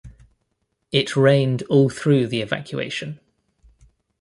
It rained all through the evacuation.